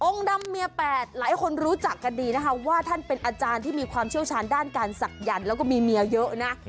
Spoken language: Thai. ดำเมียแปดหลายคนรู้จักกันดีนะคะว่าท่านเป็นอาจารย์ที่มีความเชี่ยวชาญด้านการศักยันต์แล้วก็มีเมียเยอะนะ